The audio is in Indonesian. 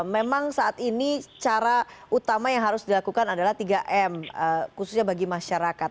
memang saat ini cara utama yang harus dilakukan adalah tiga m khususnya bagi masyarakat